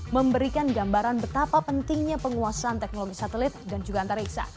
memberikan gambaran betapa pentingnya penguasaan teknologi satelit dan juga antariksa